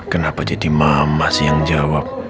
kenapa jadi mama sih yang jawab